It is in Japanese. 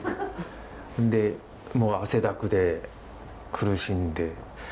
でもう汗だくで苦しんで。